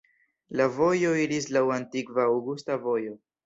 La vojo iris laŭ la antikva Aŭgusta Vojo.